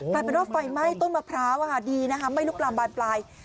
กลายเป็นว่าไฟไหม้ต้นมะพร้าวดีนะคะไม่ลุกลามบานปลาย